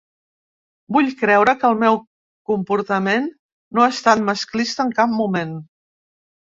Vull creure que el meu comportament no ha estat masclista en cap moment.